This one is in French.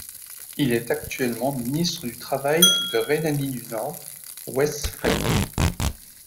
Il est actuellement ministre du Travail de Rhénanie-du-Nord-Westphalie.